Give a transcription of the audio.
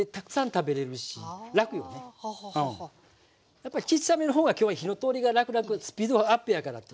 やっぱりちっさめの方が今日は火の通りがらくらくスピードアップやからってことで。